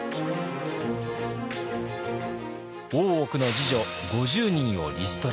大奥の侍女５０人をリストラ。